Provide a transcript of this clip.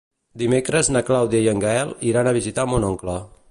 Dimecres na Clàudia i en Gaël iran a visitar mon oncle.